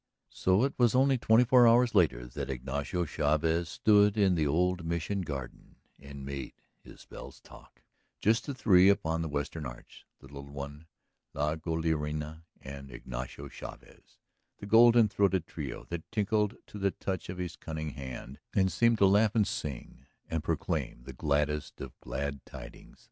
So it was only twenty four hours later that Ignacio Chavez stood in the old Mission garden and made his bells talk, just the three upon the western arch, the Little One, La Golondrina, and Ignacio Chavez, the golden throated trio that tinkled to the touch of his cunning hand and seemed to laugh and sing and proclaim the gladdest of glad tidings.